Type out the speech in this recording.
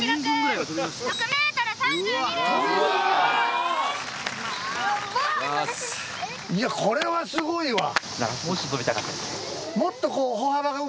いやこれはすごいわ。